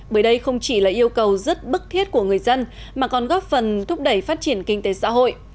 bởi đây không chỉ là yêu cầu rất bức thiết của người dân mà còn góp phần thúc đẩy phát triển kinh tế xã hội